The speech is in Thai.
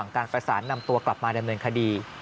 การประสานนำตัวกลับมาดำเนินคดี